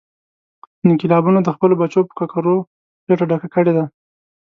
انقلابونو د خپلو بچو په ککرو خېټه ډکه کړې ده.